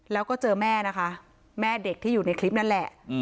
แล้วก็เจอแม่นะคะแม่เด็กที่อยู่ในคลิปนั่นแหละ